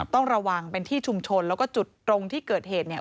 ต้องระวังเป็นที่ชุมชนแล้วก็จุดตรงที่เกิดเหตุเนี่ย